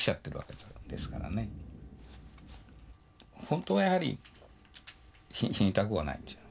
本当はやはり死にたくはないですよ。